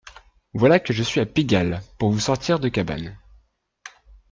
voilà que je suis à Pigalle pour vous sortir de cabane